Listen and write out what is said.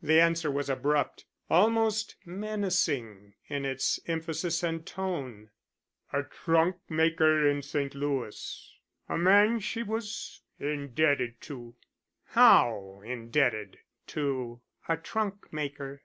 The answer was abrupt, almost menacing in its emphasis and tone. "A trunk maker in St. Louis. A man she was indebted to." "How indebted to a trunk maker?"